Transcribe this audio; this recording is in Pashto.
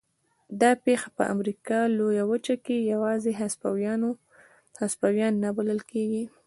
دا پېښه په امریکا لویه وچه کې یوازې هسپانویان نه بلل کېږي.